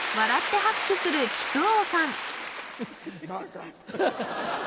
バカ！